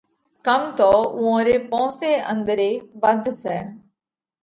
ڪم تو اُوئون ري پونس ئي انۮري ڀنڌ سئہ۔